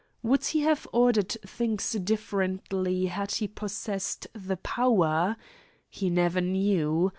Would he have ordered things differently had he possessed the power? He never knew.